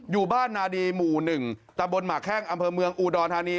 อยู่บ้านนาดีหมู่๑ตะบนหมากแข้งอำเภอเมืองอุดรธานี